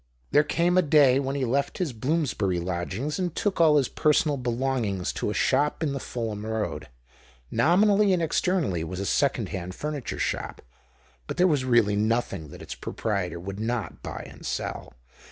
There came a day when he left his Bloomsbury lodgings and took all his personal belongings to a shop in the Fulham Road. Nominally and externally it was a second hand furniture shop, but there was really nothing that its proprietor would not buy and sell.